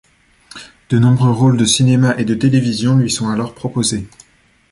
De nombreux rôles de cinéma et de télévision lui sont alors proposés.